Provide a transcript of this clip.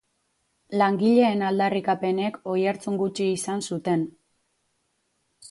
Langileen aldarrikapenek oihartzun gutxi izan zuten.